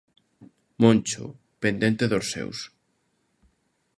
Moncho, pendente dos seus.